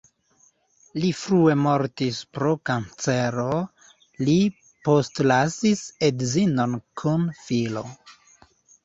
Li frue mortis pro kancero, li postlasis edzinon kun filo.